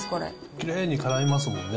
きれいにからみますもんね。